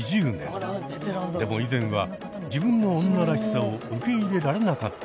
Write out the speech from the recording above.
でも以前は自分の女らしさを受け入れられなかったんだとか。